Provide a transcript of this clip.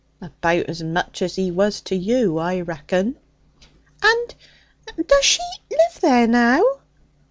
'About as much as he was to you, I reckon!' 'And does she live there now?'